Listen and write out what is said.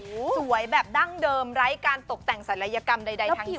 สวยแบบดั้งเดิมไร้การตกแต่งศัลยกรรมใดทั้งสิ้น